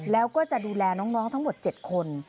แล้วก็จะดูแลน้องทั้งหมด๗คน